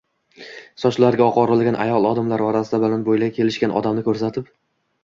Sochlariga oq oralagan ayol odamlar orasidan baland boʻyli kelishgan odamni koʻrsatib